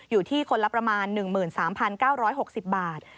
อยู่ที่คนละประมาณ๑๓๙๖๐บาท